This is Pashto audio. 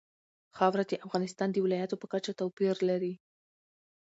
خاوره د افغانستان د ولایاتو په کچه توپیر لري.